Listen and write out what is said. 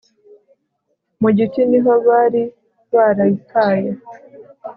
mu giti niho bari barayitaye